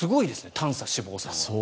短鎖脂肪酸は。